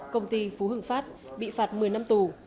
công ty phú hưng phát bị phạt một mươi năm tù